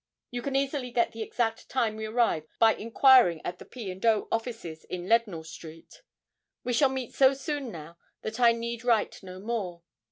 You can easily get the exact time we arrive by inquiring at the P. and O. offices in Leadenhall Street. We shall meet so soon now that I need write no more.